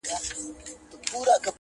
قلندر ويله هلته بيزووانه.!